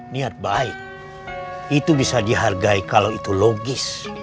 niat baik itu bisa dihargai kalau itu logis